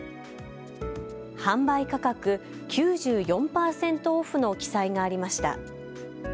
販売価格９４％オフの記載がありました。